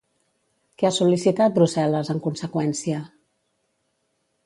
Què ha sol·licitat Brussel·les en conseqüència?